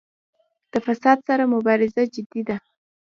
د فساد سره مبارزه جدي ده؟